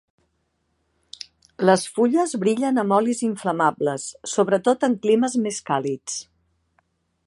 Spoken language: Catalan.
Les fulles brillen amb olis inflamables, sobretot en climes més càlids.